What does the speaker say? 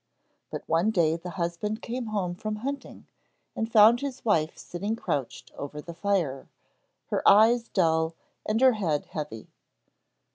But one day the husband came home from hunting and found his wife sitting crouched over the fire her eyes dull and her head heavy.